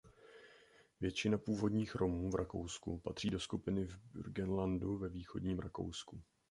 Většina původních Romů v Rakousku patří do skupiny v Burgenlandu ve východním Rakousku.